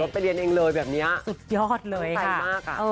ไปเรียนเองเลยแบบนี้สุดยอดเลยใหญ่มาก